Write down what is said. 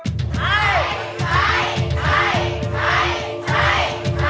ใช้